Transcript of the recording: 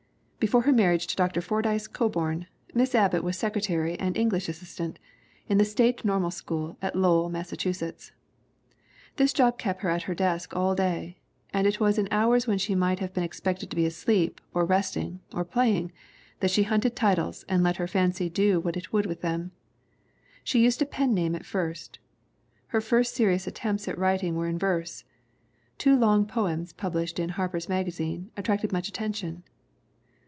Before her marriage to Dr. Fordyce Coburn Miss Abbott was secretary and English assistant in the State Normal School at Lowell, Massachusetts. This job kept her at her desk all day and it was in hours when she might have been expected to be asleep or resting or playing that she hunted titles and let her fancy do what it would with them. She used a pen name at first. Her first serious attempts at writing were in verse. Two long poems published in Harper's Magazine attracted much attention.